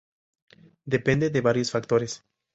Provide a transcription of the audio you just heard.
Depende de varios factores.